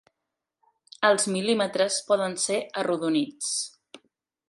Els mil·límetres poden ser arrodonits.